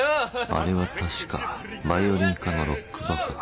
あれは確かバイオリン科のロックバカ。